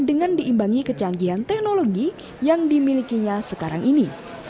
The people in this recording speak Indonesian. dengan diimbangi kecanggihan teknologi yang dimilikinya sekarang ini